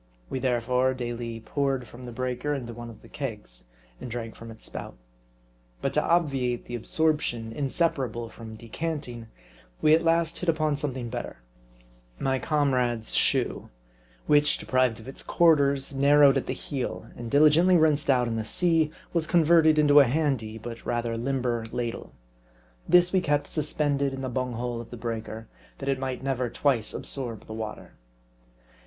We therefore daily poured from the breaker into one of the kegs ; and drank from its spout. Kut to obviate the ab sorption inseparable from decanting, we at last hit upon something better, my comrade's shoe, which, deprived of M A R D I. 61 its quarters, narrowed at the heel, and diligently rinsed out ' in the sea, was converted into a handy but rather limber ladle. This we kept suspended in the bung hole of the breaker, that it might never twice absorb the water.